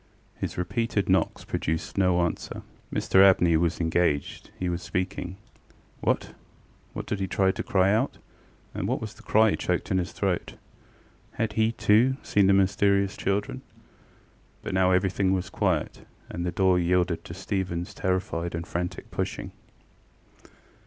His repeated knocks produced no answer. Mr Abney was engaged: he was speaking. What! why did he try to cry out? and why was the cry choked in his throat? Had he, too, seen the mysterious children? But now everything was quiet, and the door yielded to StephenŌĆÖs terrified and frantic pushing.